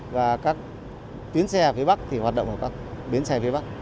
và các tuyến xe phía bắc thì hoạt động ở các bến xe